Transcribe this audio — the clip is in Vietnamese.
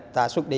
ta xuất đi